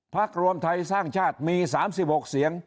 รวมไทยสร้างชาติมี๓๖เสียง